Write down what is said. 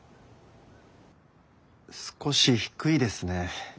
少し低いですね。